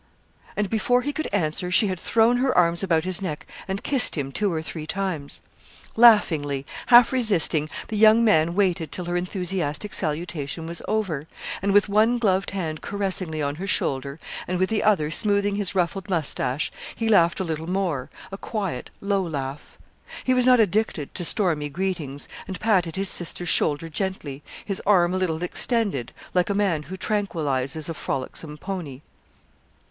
And before he could answer, she had thrown her arms about his neck and kissed him two or three times. Laughingly, half resisting, the young man waited till her enthusiastic salutation was over, and with one gloved hand caressingly on her shoulder, and with the other smoothing his ruffled moustache, he laughed a little more, a quiet low laugh. He was not addicted to stormy greetings, and patted his sister's shoulder gently, his arm a little extended, like a man who tranquillises a frolicsome pony.